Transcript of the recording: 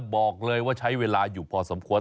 บอกเลยว่าใช้เวลาอยู่พอสมควร